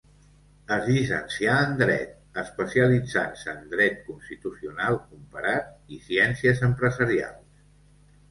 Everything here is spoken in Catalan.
Es llicencià en dret, especialitzant-se en dret constitucional comparat, i ciències empresarials.